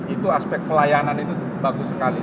itu aspek pelayanan itu bagus sekali